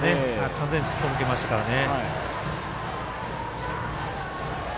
完全にすっぽ抜けましたからね。